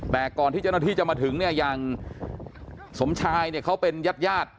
แต่ก่อนที่เจ้าหน้าที่จะมาถึงเนี่ยอย่างสมชายเนี่ยเขาเป็นญาติญาติ